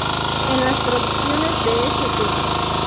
En las producciones de St.